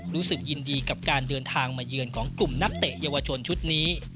รู้สึกยินดีกับการเดินทางมาเยือนของกลุ่มนักเตะเยาวชนชุดนี้